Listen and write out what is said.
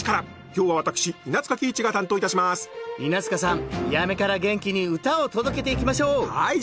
今日は私稲塚貴一が担当いたします稲塚さん八女から元気に唄を届けていきましょうはい！